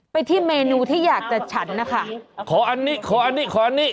ไปที่เมนูที่อยากจะฉันนะคะขออันนี้ขออันนี้ขออันนี้